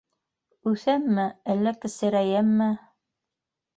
Үҫәмме, әллә кесерәйәмме?